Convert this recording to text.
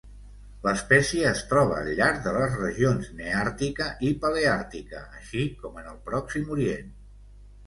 L'espècie es troba al llarg de les regions neàrtica i paleàrtica, així com en el Pròxim Orient.